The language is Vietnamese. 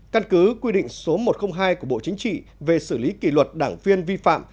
căn cứ quy định số một trăm linh hai của bộ chính trị về xử lý kỷ luật đảng viên vi phạm